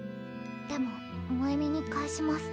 でも萌美に返します。